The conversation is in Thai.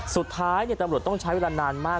สุดท้ายตำรวจต้องใช้เวลานานมาก